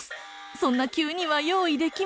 そんな急には用意できま」。